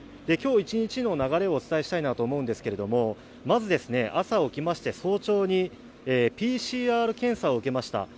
今日一日の流れをお伝えしたいと思うんですけれどもまず、朝起きして早朝にＰＣＲ検査を受けました。